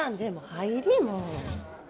入りもう。